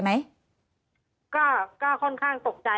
มันเป็นอาหารของพระราชา